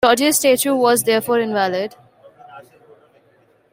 Georgia's statute was therefore invalid.